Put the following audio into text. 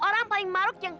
kamu boleh pulang